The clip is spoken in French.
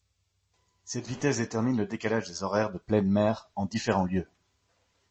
Cette vitesse détermine le décalage des horaires de pleine mer en différents lieux.